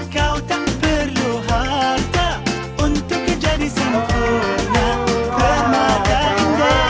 kau tak perlu harta untuk kejar di sini